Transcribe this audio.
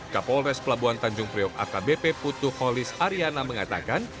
kapolres pelabuhan tanjung priok akbp putu holis ariana mengatakan